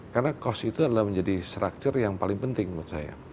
karena cost itu adalah menjadi structure yang paling penting menurut saya